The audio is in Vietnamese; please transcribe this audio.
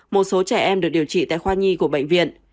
một số trẻ em được điều trị tại khoa nhi của bệnh viện